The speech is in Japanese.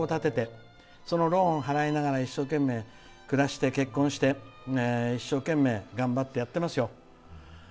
小さいながら墓を建ててそのローンを払いながら一生懸命働いて結婚して、一生懸命頑張って、やってますよ。